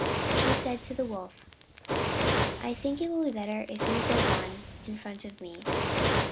She said to the Wolf, "I think it will be better if you go on in front of me."